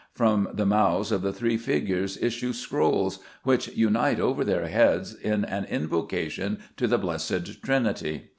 From the mouths of the three figures issue scrolls, which unite over their heads in an invocation to the Blessed Trinity.